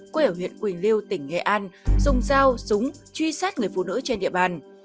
quê ở huyện quỳnh lưu tỉnh nghệ an dùng dao súng truy sát người phụ nữ trên địa bàn